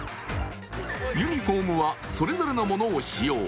ユニフォームはそれぞれのものを使用。